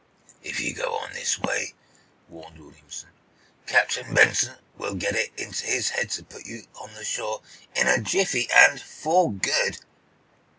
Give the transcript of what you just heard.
"If you go on this way," warned Williamson, "Captain Benson will get it into his head to put you on shore in a jiffy, and for good."